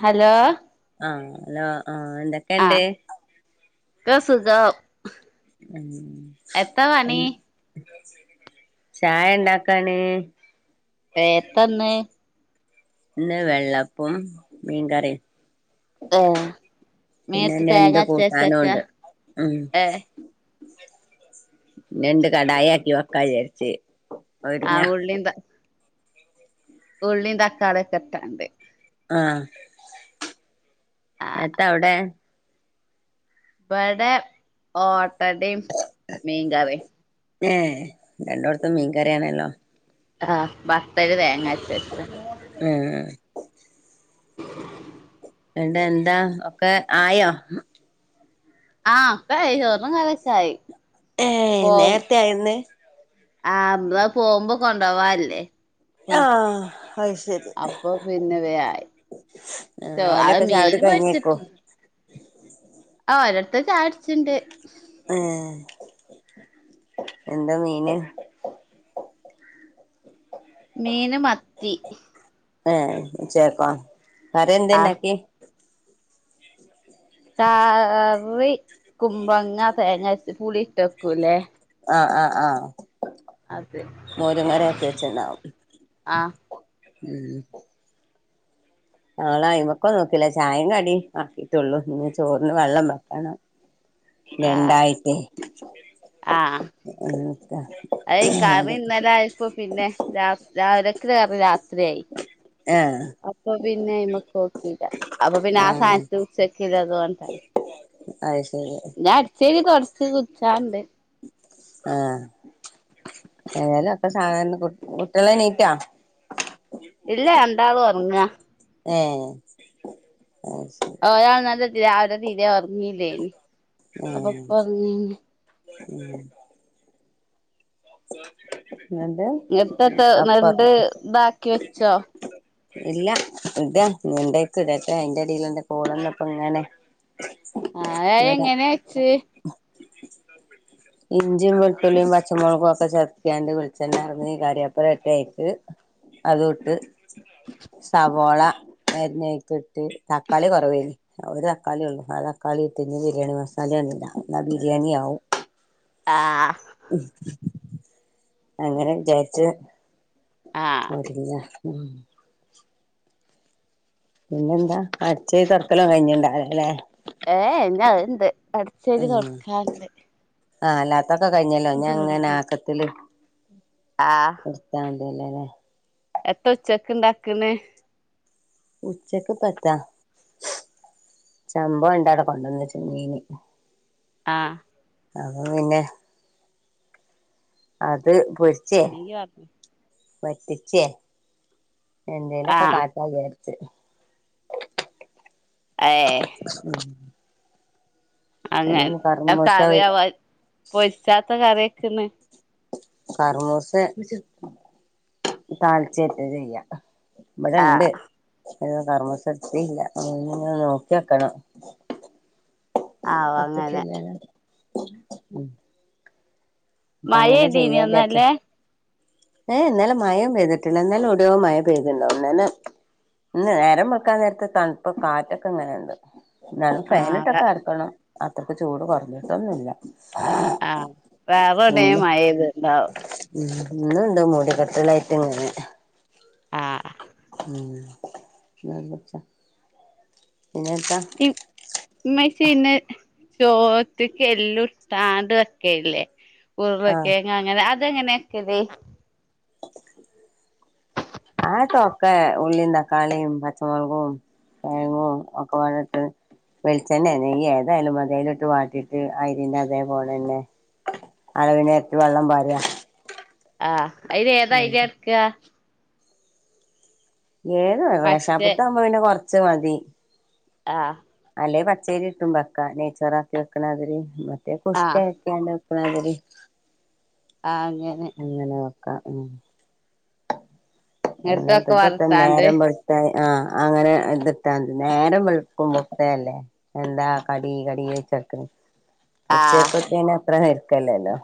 Hello ആഹ് hello ആഹ് എന്തൊക്കെയണ്ട് ക്കെ സുഖം എത്താ ഉ പണി ചായ ണ്ടാക്കാണ് ഏ തന്നെ ഇന്ന് വെള്ളപ്പും മീൻകറിയും ഏഹ് പിന്നെ മേത്ത് നണ്ട് തേങ്ങ കൂട്ടാനും അരച്ചേച്ചക്കാ ഉണ്ട് ഉം ഏഹ് ഞണ്ട് കടായാക്കി വക്കാചേരിച്ച ആഹ് ഉള്ളി ത്ത ഉള്ളി തക്കാളൊകെട്ടാണ്ട് ആഹ് ആഹ് എത്താ അവിടെ ഇവിടെ ഓട്ടടയും മീകറിയും ഏഹ് രണ്ടോട്ത്തും മീൻ കറിയണല്ലോ ആഹ് ഭത്തല് തേങ്ങരച്ചചെ ആഹ് ഇണ്ടാ എന്താ ഒക്കെ ആയോ ആഹ് ഒക്കെയായി ചോറും കറി ഒക്കായി ഏഹ് നേരത്തെ ആയിരുന്നു ആഹ്‌ മ്മള് പോകുമ്പോ കൊണ്ട് പോവാല്ലേ ആഹ് അഹ് ശരി അപ്പൊ പിന്നെ വായി ആഹ് അത് ഓലൊക്കെ ചായുടി മീന് കഴിഞ്ഞേക്കും പൊരിച്ചി ആഹ് ഒരിത്തൻ ചായ കുടിച്ചിണ്ട് ആഹ് എന്താ മീന് മീന് മത്തി ആഹ് ഉച്ചേക്കാ വേറേ ആഹ് എന്താണ്ടാക്കിയേ കറി കുമ്പങ്ങ തേങ്ങരച് പുളി ഇട്ട്‌ വക്കൂല്ലേ ആഹ് ആഹ് ആഹ് അത് മോരും കറി ആക്കി വെച്ചണ്ടാവും ആഹ് നാളൊയി്മക്കം നോക്കില്ല ചായയും കടി ആക്കിട്ടുള്ളൂ ഇനി ചോറിന്ന് വെള്ളം വെക്കണം ആഹ് രണ്ടായിട്ടേ ആഹ് അത് ഇപ്പൊ പിന്നെ രാവിലക്കര രാത്രിയായി ആഹ് അപ്പൊ പിന്നെ അയിമ്മക്ക് നോക്കീല അപ്പൊ പിന്നെ ആ ആഹ് സാനത്ത് അതുകൊണ്ടായി. അത് ശരി ഞാൻ ഇട്ടിലി കുറച്ച് കുച്ചാണ്ട്. ആഹ് ഏതെലും അപ്പം സാധാനം കുട്ടിള്ണീറ്റോ? ഇല്ല രണ്ടാളും ഉറങ്ങാ. ആഹ് അത് ശരി ഒരാൾ ഇനല്ലെ രാവിലെ തീ തീരെ ഉറങ്ങില്ലേ അപ്പോ ആഹ് ഉറങ്ങിന്. [inaudible] എന്തേ. ഇങ്ങത്തെ നണ്ട് ഇതാക്കി വെച്ചോ ഇല്ല ഇട മുണ്ടേക്ക് [unintelligible] രെറ്റ എയിന്റെടി ഇടെല് അന്റെ കോള് വന്ന്പ്പംഇങ്ങനെ ആഹ് അ എങ്ങിനെ വെച്ച്. ഇഞ്ചി വെളുത്തുള്ളി പച്ച മുളക് ക്ക ചതച്ങ്ങണ്ട് വെളിച്ചെണ്ണ ഇറങ്ങി കറിവേപ്പില ഇട്ട് അതുംഇട്ട്. സവോള അരിഞ്ഞിട്ട് അതിക്ട്ട് തക്കാളി കുറവ് എയിന്. ഒരു തക്കാളിയേയുള്ളൂ ആ തക്കാളിയിട്ട് ബിരിയാണി മസാല എണ് ന ബിരിയാണിയാവും. ആഹ് [unintelligible] അങ്ങനെ വിചാരിച്ച് ആഹ് [unintelligible] പിന്നെന്താ അടിച്ചോരി തൊടക്കല് ഒന്നും കഴിഞ്ഞുണ്ടാവില്ലെ ഏഹ് എന്നാ അത്ണ്ട് അടിച്ചാരി തുടക്കാൻണ്ട്. ആഹ് അല്ലാത്തൊക്കെ കഴിഞ്ഞല്ലോ ഞാ അങ്ങനെ ആക്കത്തില്. ആഹ് ഉസ്താദ് ഉണ്ട്ലല്ലേ എന്താ ഉച്ചക്ക് ഇണ്ടാക്ക്ണ്. ഉച്ചക്ക് പ്പ എന്ത ചമ്പ ഒണ്ടാക്ക പാണ്ടന്ന് വെച്ച് മീനി ആഹ് അപ്പൊ പിന്നെ അത് പൊരി ആനത്ത [unintelligible] വറ്റിച്ചേ എന്തേലൊക്കെ ആ എന്തേലൊക്കെ കാട്ടാംന്ന് വിചാരിച്ച്. ഏഹ് [unintelligible] അങ്ങെ അല്ലെങ്കി കർമൂസ കറിയവാ ഇ പൊരിച്ചാത്ത കറിക്ക്ണ്. കരമൂസ താളിച്ചില്ല ചെയ്യ. ഇവിടെ ആ ഇണ്ട്. അതിന് കർമ്മോസ എടുത്തിട്ട് ഇല്ല ഒന്ന് നോക്കി വെക്കണം. ആ അങ്ങനെ ഉപ്പിട്ടിലല്ലേ മഴയതീനോ ചെയ്യാ വിചാരിച്ച് ഇന്നല്ലേ? ഏഹ് ഇന്നലെ മഴയും പെയ്തിടില. ഇന്നലെ എവിടേയോ മഴ പെയ്തിണ്ടാവും. ഇന്നലെ ഇന്ന് നേരം വെള്ക്കാൻ നേരത്ത് തണുപ്പ് കാറ്റൊക്കെ ഇങ്ങനെയുണ്ട്. എന്നാലും ആ ഫാനിട്ടൊക്കെ കടക്കണം. അത്രയ്ക്ക് ചൂട് കുറഞ്ഞിട്ടുന്നുമില്ല. ആഹ് വേറെവിടെ ഇന്ന് മഴപെയ്തീറ്റ്ണ്ടാവും. ഉം ഇന്ന് ഇണ്ട് മൂടിക്കെട്ടിലായിട്ട് ഇങ്ങനെ ആഹ് ഉം [unintelligible] പിന്നെത്ത ഇമ് ഇമ്മച്ചി ഇന്നെ ചോറ്റ്ക്ക് എല്ലുർത്താണ്ട് വെക്കല്ലേ ആഹ് ഉരുളക്കെങ് അങ്ങനെ അതെങ്ങനെക്കല് അതൊക്കെ ഉള്ളീം തക്കാളീം പച്ചമൊളകും കെഴങ്ങും ഒക്കെപ്പാടെ ഇട്ട് വെളിച്ചെണ്ണേ നെയ്യ് ഏതായാലും മതി അയ്ല്ട്ട് വാട്ടിട്ട് ആയിതിന്റെ അതേപോലെന്നെ അളവിനെരട്ടി വെള്ളം പാരാ ആഹ് അയ്ല് ഏതാ അരി എട്ക്ക ഏത് വേ റേഷാപ്പ് പച്ചെ ത്താവുമ്പോ പിന്നെ കൊർച്ച് മതി ആഹ് അല്ലെ പച്ചരി കിട്ടും വെക്കാൻ നെയ്ച്ചോറാക്കി വെക്ക്ണ മാതിരി മറ്റേ കുഷ്ക്കാ ആഹ് ക്ക്യാണ്ട് വെക്ക്ണമാതിരി ആഹ് അങ്ങനെ അങ്ങനെ വെക്കാം ഉം ഇങ്ങട്ടൊക്കെ [unintelligible] തൻ വർത്താണ്ട് നേരം വെൾ ട്ടായ് ആഹ് അങ്ങനെ ഇത്ട്ട മതി നേരം വെള്ക്കുമ്പോ ഇട്ടതല്ലേ എന്താ കടി കടി ചോയ്ച്ചട്ക്ക്ണ് ആഹ് ഉച്ചക്കത്തേന് അത്ര ഞ്ഞെര്ക്കല്ലല്ലോ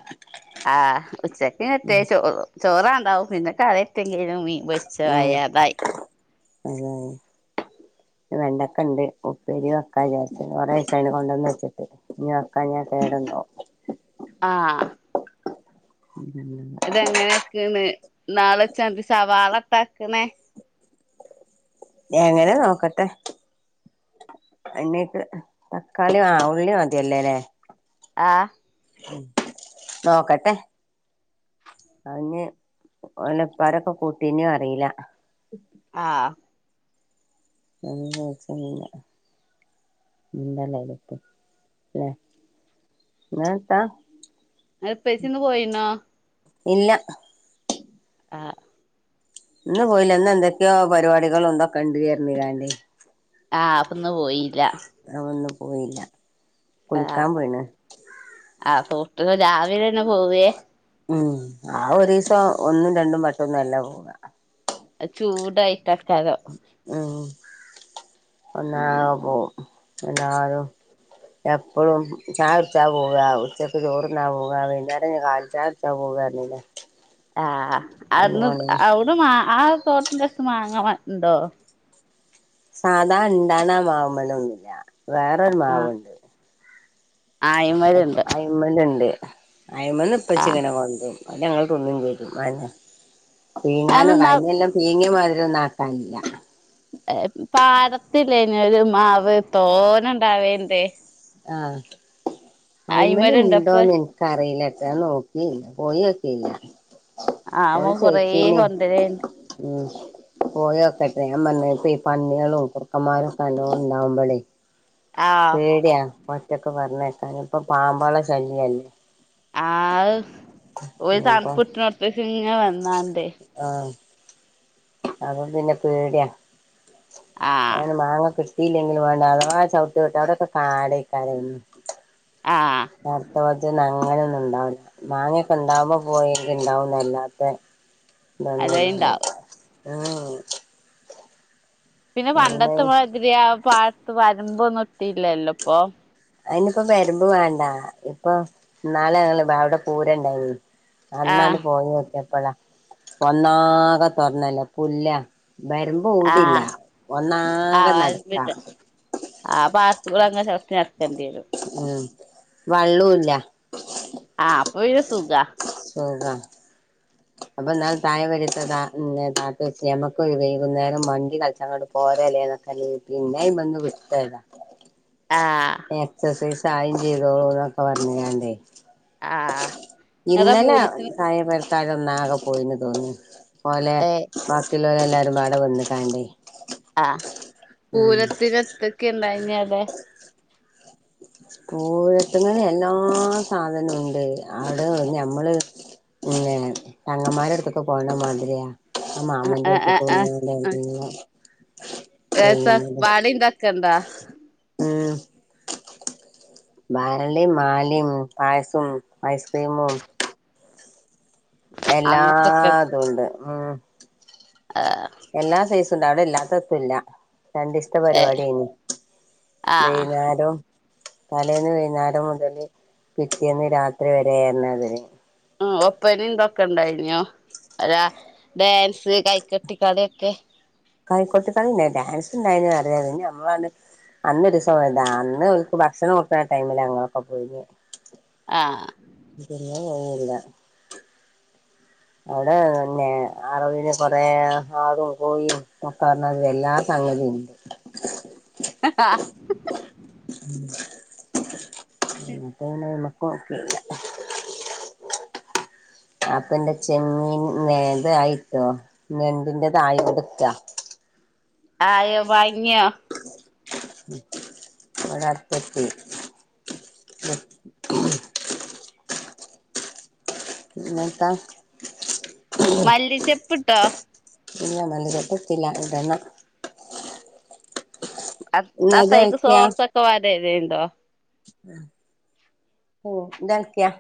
ആഹ് ഉച്ചക്ക് എത്തെ ചോർ ചോറാണ്ടാവും പിന്നെ കറി എത്തെങ്കിലും മീൻ പൊരി ച്ചു ആയ അതായി അതായി [inaudible] വെണ്ടക്കണ്ട് ഉപ്പേരി വെക്കാൻ വിചാരിച്ചിന് കൊറേസായിണ് കൊണ്ടന്ന് വെച്ച്ട്ട് ഇഞ്ഞി വെക്കാഞ്ഞാ കേടെന്നോവും ആഹ് [inaudible] ഇത് എങ്ങനെക്ക്ണ് ഇന്നാള് വെച്ചമാതിരി സവാളട്ടാ വെക്ക്ണേ എങ്ങനെ നോക്കട്ടെ എണ്ണീട്ട് തക്കാളി ആ ഉള്ളി മതിയല്ലൊലെ ആഹ് നോക്കട്ടെ അയ്ന് ഓലെ ഇപ്പാരൊക്കെ കൂട്ടീനോ അറിലാ ആഹ് [unintelligible] അവടെത്തും ലെ [unintelligible] അന്റെ ഇപ്പച്ചിന്ന് പോയിണോ ഇല്ല ആഹ് ഇന്ന് പോയില്ലാ ഇന്ന് എന്തൊക്ക്യോ പരിപാടികളും ഇതൊക്കെണ്ട് പർഞ് കാന്റീ ആഹ് അപ്പൊന്ന് പോയീല്ല അപ്പൊ ന്ന് പോയീല്ല ആഹ് ആഹ് സുഹൃത്ത്ക്കള് രാവിലെന്നെ പോവെ ഉം ആ ഒരീസം ഒന്നും രണ്ടും വട്ടൊന്നും അല്ല പോവ അത് ചൂടായിട്ടേക്കാരം ഉം [unintelligible] എല്ലാരും എപ്പോഴും ചായ കുടിച്ചാൻ പോവാ ഉച്ചയ്ക്ക് ചോറ്ന്നാ പോവാ വൈകുന്നേരം ഞാൻ കാലിചായ ച്ചാ പോവാ പറഞ്ഞിലേ ആഹ് അന്ന് അവിടെ മാ ആ തോട്ടിന്റെ ട്ത്ത് മാങ്ങാ ഇണ്ടോ സാധാ ഇണ്ടാവ്ണേ മാവ്മലൊന്നുല്ല വേറൊരു ആഹ് ആഹ് മാവുണ്ട് അയിമേലുണ്ട് അയ്മല് ഇണ്ട് അയ്മന്ന് ആഹ് ഇപ്പച്ചിങ്ങനെ കൊണ്ടരും അഅ് ഞങ്ങള് തിന്നും ചെയ്യും അഅ്ന്നെ പീങ്ങാനും അന്ന് കഴിഞ്ഞ കൊല്ലം പീങ്ങ്യ മാതിരി ആക്കാന് ഒന്നും ഇല്ല പാടത്ത് ഇല്ലെന്യാെ ഒര് മാവ് തോനെ ഇണ്ടാവല്ണ്ട് ആഹ് അയ്മല് അയിമല്ണ്ടപ്പ ഇണ്ടോന്ന് എൻ ക്കറിയിലട്ടൊ നോക്കിയില്ല പോയൊ ക്കിയില്ല ആഹ് ഓ കൊറേ കൊണ്ടെരെണ്ട് ഉം പോയൊക്കെട്ടെ ഞാൻ പറഞ്ഞ് ലെ ഈ പന്ന്യാളും കുറക്കമാരും ഒക്കെ നല്ലോം ഇണ്ടാവുമ്പോളേ ആഹ് പേടിയാ ഒറ്റക്ക് പറഞ്ഞേക്കാന് ഇപ്പൊ പാമ്പളെ ശല്യല്ലേ ആഹ് ഓര് തണുപ്പ് അപ്പം കിട്ട്ണോട്ത്ത്ക്ക് ഇങ്ങനെ വന്നാ ണ്ടേ ആഹ് അപ്പം പിന്നെ പേടിയാ ആഹ് അങ്ങനെ മാങ്ങക്കെ കിട്ടി ല്ലെങ്കിലും വേണ്ട അഥവാ ചവ് ട്ട്‌ല് പെട്ടാ അവിടൊക്കെ കാട് എക്കാരം ആഹ് [unintelligible] ഞനൊന്നും ഉണ്ടാവില്ല മാങ്ങക്ക് ഉണ്ടാവകുമ്പോൾ പോയ ഉണ്ടാവുന്ന അല്ലാത്ത ത ഒന്നും ഇല്ലാണ്ട് അല്ലേണ്ടാവും ഉം ഉം പിന്നെ പണ്ടത്തെമാതിരി ആ പാടത്ത് വരുമ്പോന്നും ഇട്ടില്ലല്ലോ ഇപ്പൊ അതിനപ്പോ വരുമ്പ് വേണ്ട ഇപ്പൊ നാളെ ഞങ്ങള് അവിടെ പൂരണ്ടായി നി അന്നാണ്ട് ആഹ് പോയി നോക്കിയാപ്പളാ ഒന്നാകെ തൊറന്നല്ല പുല്ലാ വരമ്പ് ഇപ്പോ ഔടില്ല ആഹ് ആഹ് ഒന്നാകെ നടത്താ വരമ്പില്ല ആ പാട്ത്ത് കൂടെ അങ്ങനെ ചൗട്ടി നടക്കേണ്ടി വരും ഉം വള്ളും ഇല്ല ആഹ് അപ്പൊ പിന്നെ സുഖ സുഖാ [unintelligible] അപ്പൊ [unintelligible] നമ്മക്ക് വൈകുന്നേരം മണ്ടി കളിച്ചാ പോരല്ലേന്ന് ഒക്കെ പിന്നെ അയ്മന്ന് വിട്ട് പോയതാ ആഹ് എക്സസൈസ് ആയിം ചെയ്തോളൂ എന്നൊക്കെ പറഞ്ഞാണ്ടേ ആഹ് ഇങ്ങളെ ഇന്നലെ പൂരത്തിന് താഴെപെരക്കാര് ഒന്നാകെ പോയിന്ന് തോന്ന്ണ്ട് പോലെ ഏഹ് വാക്കിള്ളോല് എല്ലാവരും പാട വന്ന് ക്കാണ്ട് ആഹ് പൂരത്തിന് എത്തൊക്കെ ഉണ്ടായി നി ആടെ പൂരത്തിന് എല്ലാ സാധനം ഉണ്ട് അവ്ടെ നമ്മള് പിന്നെ തങ്ങമ്മാരെ എട്ത്ത്ക്ക് പോണ മാതിരി യാ ആ മാമന്റെ ആ ആ ആ ആ അടുത്ത് [unintelligible] [unintelligible] മം ബാളീം മാലിം പായസോം ഐസ്ക്രീമും അങ്ങത്തൊക്കെ എല്ലാതുണ്ട് ഉം ഹ് എല്ലാ സെയ്സുണ്ട് അവിടെ ഇല്ലാത്തെത്തുല്ല രണ്ടീസ് അങ്ങതെ ഏ പരിപാടി അയ്നി ആ വെയ്ന്നാരം തലേന്ന് വെയ്ന്നാരം മുതല് പിറ്റേന്ന് രാത്രിവെരെ പർഞ്ഞാതിരി. ആഹ് ഒപ്പനിം ഇതൊക്കെ ഇണ്ടായ്നോ അല ഡേൻസ് കൈകൊട്ടിക്കളിയൊക്കെ? കൈക്കൊട്ടി ഇണ്ടായ്നി ഡേൻസ് ഇണ്ടായ്നോ [unintelligible] ഞമ്മളണ് അന്നൊരീസം പേയതാ അന്ന് ഓൽക്ക് ഭക്ഷണം കൊക്ക്ണ ടൈമിലാ ഞങ്ങളൊക്കെ പോയീനെ. ആഹ് ചെറിയെ മോനില്ല. ഔടെ പിന്നെ അറവിന് കൊറെ ആടും കോയിം ഒക്കപറഞ്ഞാതിരി എല്ലാം സംഗദീ ഇണ്ട്. ഹ് ഹ [inaudible] അപ്പം പിന്നെ അയ്മക്ക് നോക്കിയില്ല അപ്പ ഇന്റെ ചെമ്മീൻ ഇതായിട്ടോ ഞെണ്ടിന്റെ ആയികൊണ്ട്ക്കാ. ആയോ വാങ്ങിയോ [unintelligible] ഇവടെ അട്തെത്തി പിന്നെത്താ? മല്ലിച്ചെപ്പ്ഇട്ടോ? ഇല്ല മല്ലിചെപ്പ് ഇട്ടില്ല ഇടണം. ഇന്നത് എത്താപ്പയ്യ്ക്ക് ഇളക്കിയാ സോക്സൊക്കെ പാടെ ഇടല് ഇണ്ടോ? ഉം പു ഇതൾക്കിയാ.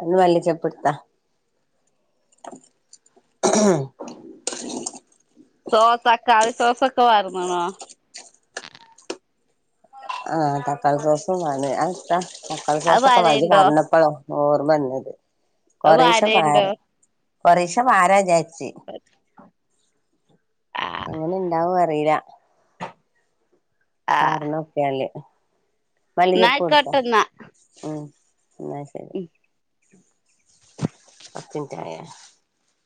അയ്ന്ന് മല്ലി ചെപ്പ് എട്ത്താ സോ തക്കാളി സോസൊക്കെ പാർന്ന്ണോ? ആഹ് തക്കളി സോസും പാർന് അഹ് എട്ത്താ തക്കാളി അത് സോസൊക്കെ വാ ഇജ്ജ് വാരേണ്ടോ പറഞ്ഞപ്പളാ ഓർമ വന്നത് അത് കൊറേശെ പാര വാരേണ്ടോ കൊറേശെ പാരവിജാരിച്ച്. ആ എങ്ങനെ ഇണ്ടാവോ അറീല. ആ പാർന്നോക്കിയാല് മല്ലിചെപ്പു എട്ത്തോ എന്നായിക്കോട്ടെന്നാ ഉം എന്നാ ശരി. [inaudible] പത്ത് മിനിറ്റ് ആയോ